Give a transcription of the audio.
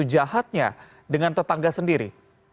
jahatnya dengan tetangga sendiri